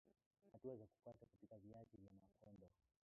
Hatua za kufuata kupika viazi vya mapondo